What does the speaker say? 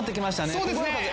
そうですね。